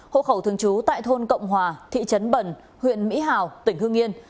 hộ khẩu thường trú tại thôn cộng hòa thị trấn bẩn huyện mỹ hào tỉnh hương yên